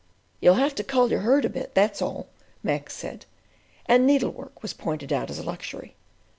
"You'll have to cull your herd a bit, that's all," Mac said; and needlework was pointed out as a luxury.